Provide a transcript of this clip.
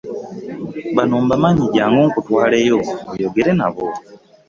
Bano mbamanyi jangu nkutwaleyo oyogere nabo.